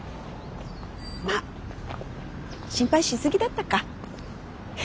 まっ心配しすぎだったか。